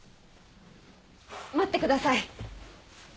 待ってください！